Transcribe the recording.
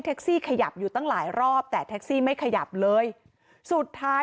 แต่แท็กซี่เขาก็บอกว่าแท็กซี่ควรจะถอยควรจะหลบหน่อยเพราะเก่งเทาเนี่ยเลยไปเต็มคันแล้ว